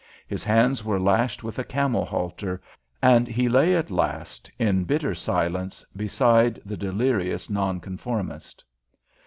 His hands were lashed with a camel halter, and he lay at last, in bitter silence, beside the delirious Nonconformist.